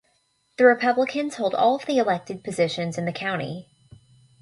The Republicans hold all of the elected positions in the county.